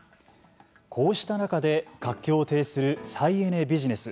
こうした中で活況を呈する「再エネビジネス」。